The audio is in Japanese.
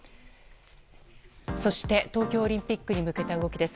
そして、東京オリンピックに向けた動きです。